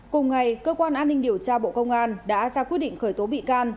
cùng ngày cơ quan an ninh điều tra bộ công an đã ra quyết định khởi tố bị can